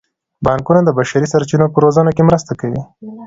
بانکونه د بشري سرچینو په روزنه کې مرسته کوي.